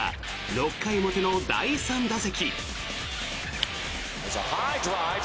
６回表の第３打席。